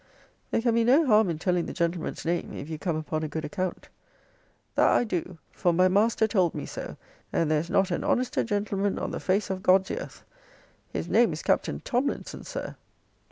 There can be no harm in telling the gentleman's name, if you come upon a good account. That I do; for my master told me so; and there is not an honester gentleman on the face of God's yearth. His name is Captain Tomlinson, Sir.